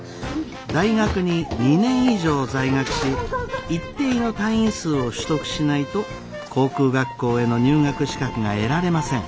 大学に２年以上在学し一定の単位数を取得しないと航空学校への入学資格が得られません。